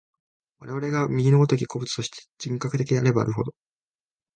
我々が右の如き個物として、人格的であればあるほど、